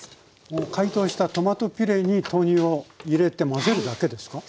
もう解凍したトマトピュレに豆乳を入れて混ぜるだけですか？